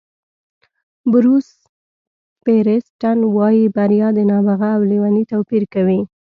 بروس فیریسټن وایي بریا د نابغه او لېوني توپیر کوي.